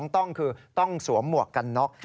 ต้องคือต้องสวมหมวกกันน็อก